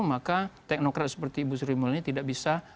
maka teknokrat seperti ibu sri mulyani tidak bisa